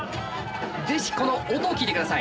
ぜひこの音を聴いて下さい。